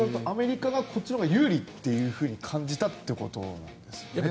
そうなるとアメリカがこっちが有利と感じたということなんですかね。